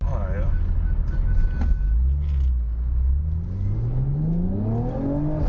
หายแล้ว